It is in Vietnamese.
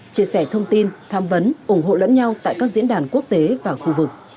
chia sẻ thông tin tham vấn ủng hộ lẫn nhau tại các diễn đàn quốc tế và khu vực